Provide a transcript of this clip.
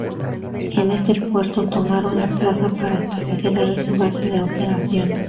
En este puerto, tomaron la plaza para establecer ahí su base de operaciones.